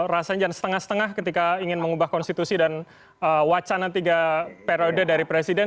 rasanya jangan setengah setengah ketika ingin mengubah konstitusi dan wacana tiga periode dari presiden